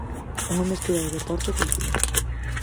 Unha mestura de deporte e cultura.